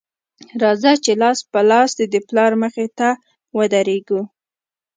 راځه چې لاس په لاس دې د پلار مخې ته ودرېږو